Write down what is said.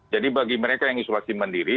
jadi bagi mereka yang isolasi mandiri